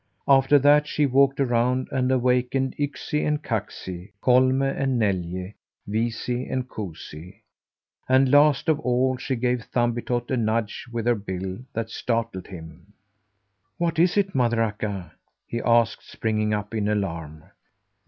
After that she walked around and awakened Yksi and Kaksi, Kolme and Neljä, Viisi and Kuusi, and, last of all, she gave Thumbietot a nudge with her bill that startled him. "What is it, Mother Akka?" he asked, springing up in alarm.